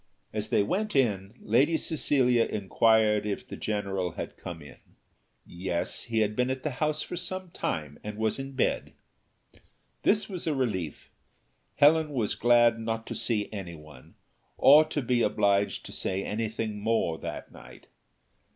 As they went in, Lady Cecilia inquired if the general had come in? Yes, he had been at home for some time, and was in bed. This was a relief. Helen was glad not to see any one, or to be obliged to say anything more that night.